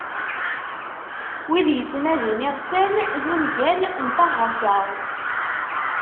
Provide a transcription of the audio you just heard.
"Wid yettnadin iɣsan" d ungal n Ṭaher Ǧaɛut.